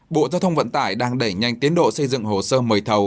bộ giao thông vận tải đang đẩy nhanh tiến độ xây dựng hồ sơ mời thầu